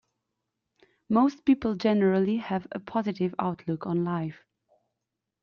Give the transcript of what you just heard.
Most people generally have a positive outlook on life.